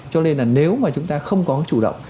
cho nên là nếu mà chúng ta không có chủ động